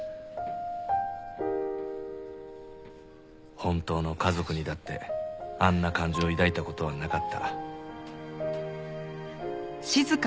本当の家族にだってあんな感情を抱いた事はなかった。